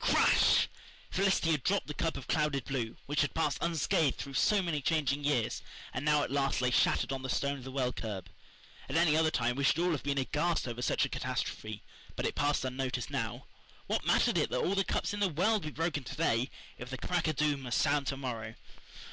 Crash! Felicity had dropped the cup of clouded blue, which had passed unscathed through so many changing years, and now at last lay shattered on the stone of the well curb. At any other time we should all have been aghast over such a catastrophe, but it passed unnoticed now. What mattered it that all the cups in the world be broken to day if the crack o' doom must sound to morrow?